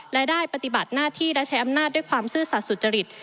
และได้ปฏิบัติหน้าที่และใช้อำนาจด้วยความซื่อสัตว์สุจริต